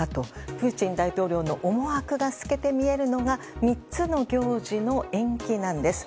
プーチン大統領の思惑が透けて見えるのが３つの行事の延期なんです。